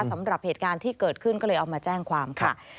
สำหรับเหตุการณ์ที่เกิดขึ้นก็เลยเอามาแจ้งความค่ะ